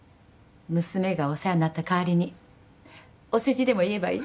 娘がお世話になった代わりにお世辞でも言えばいい？